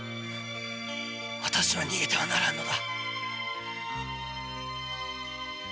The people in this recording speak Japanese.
私は逃げてはならぬのだ。